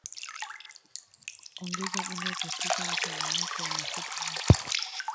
Ongeza unga katika mchanganyiko wa mafuta yako